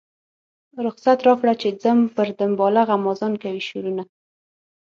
رخصت راکړه چې ځم پر دنباله غمازان کوي شورونه.